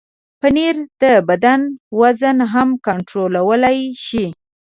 پنېر د بدن وزن هم کنټرولولی شي.